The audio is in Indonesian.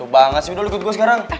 rusuh banget sih udah lo ikut gua sekarang